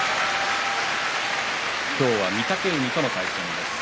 今日は御嶽海との対戦です。